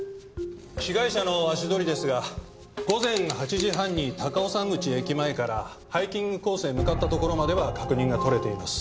被害者の足取りですが午前８時半に高尾山口駅前からハイキングコースへ向かったところまでは確認が取れています。